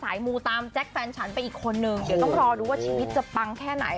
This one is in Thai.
มูตามแจ๊คแฟนฉันไปอีกคนนึงเดี๋ยวต้องรอดูว่าชีวิตจะปังแค่ไหน